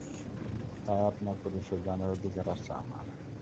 তাই আপনার পরিচয় জানার অধিকার আছে আমার!